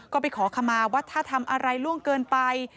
ก็ไปขอขมาว่าถ้าทำอะไรล่วงเกินไป